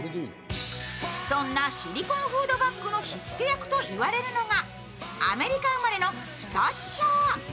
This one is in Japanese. そんなシリコンフードバッグの火付け役と言われるのがアメリカ生まれのスタッシャー。